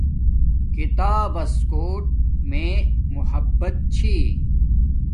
کتابس کوٹ میے محبت چھی